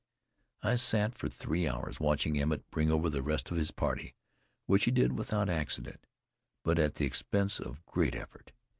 I sat for three hours watching Emmett bring over the rest of his party, which he did without accident, but at the expense of great effort.